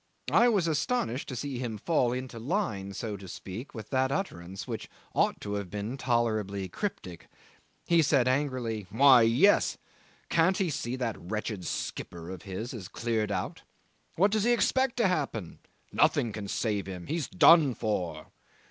I was astonished to see him fall into line, so to speak, with that utterance, which ought to have been tolerably cryptic. He said angrily, "Why, yes. Can't he see that wretched skipper of his has cleared out? What does he expect to happen? Nothing can save him. He's done for."